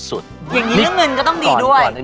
อย่างนี้เรื่องเงินก็ต้องดีด้วย